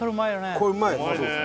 これうまいです